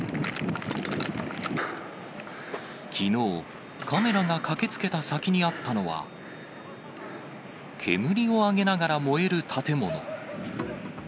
きのう、カメラが駆けつけた先にあったのは、煙を上げながら燃える建物。